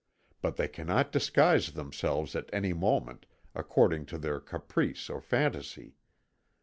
But they cannot disguise themselves at any moment, according to their caprice or fantasy.